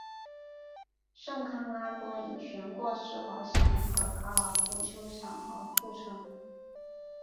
圣康拉多以悬挂式滑翔和高尔夫球场而着称。